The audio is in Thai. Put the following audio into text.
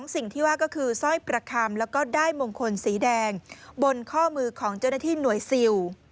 สิ่งที่ว่าก็คือสร้อยประคำแล้วก็ได้มงคลสีแดงบนข้อมือของเจ้าหน้าที่หน่วยซิล